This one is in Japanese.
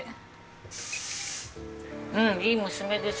うんいい娘ですね。